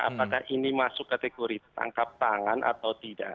apakah ini masuk kategori tangkap tangan atau tidak